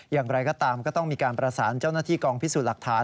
อย่างไรก็ตามก็ต้องมีการประสานเจ้าหน้าที่กองพิสูจน์หลักฐาน